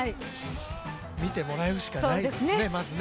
見てもらうしかないですね、まずね。